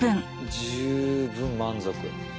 十分満足。